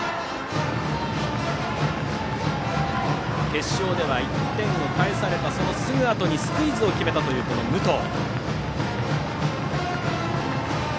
決勝では１点を返されたそのすぐあとにスクイズを決めたという武藤。